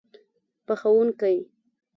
پخوونکی